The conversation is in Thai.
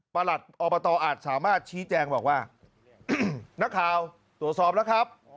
หลัดอบตอาจสามารถชี้แจงบอกว่านักข่าวตรวจสอบแล้วครับ